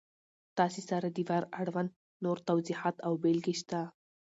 تاسې سره د وار اړوند نور توضیحات او بېلګې شته!